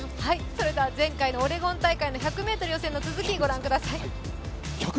それでは前回のオレゴン大会の１００ｍの映像をご覧ください。